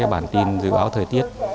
bản tin dự áo thời tiết